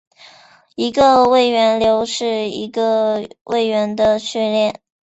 一个位元流是一个位元的序列。